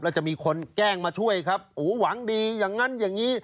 แล้วจะมีคนแกล้งมาช่วยครับโอ้หวังดีอย่างนั้นอย่างนี้